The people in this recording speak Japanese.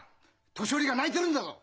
年寄りが泣いてるんだぞ！